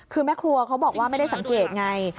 คือแม่ครัวเขาบอกว่าไม่ได้สังเกตไง